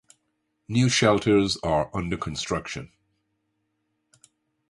New shelters are under construction.